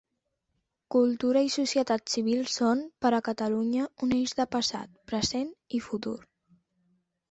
Cultura i societat civil són, per a Catalunya, un eix de passat, present i futur.